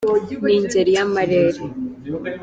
Ni ingeri y’amarere